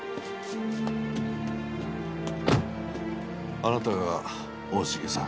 あなたが大重さん？